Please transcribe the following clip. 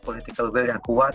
political will yang kuat